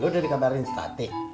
lo udah dikabarin si tati